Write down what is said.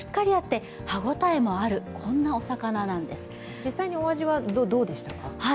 実際にお味はどうでしたか？